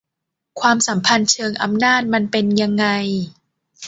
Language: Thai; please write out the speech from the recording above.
ความสัมพันธ์เชิงอำนาจมันเป็นยังไง